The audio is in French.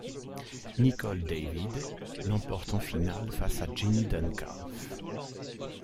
Nicol David l'emporte en finale face à Jenny Duncalf.